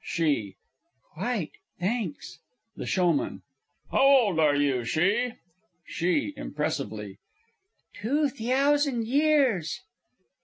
SHE. Quite thenks. THE SHOWMAN. HOW old are you, She? SHE (impressively). Two theousand years.